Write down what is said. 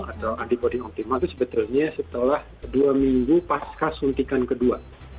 atau antibody optimal itu sebetulnya setelah dua minggu pasca suntikan kedua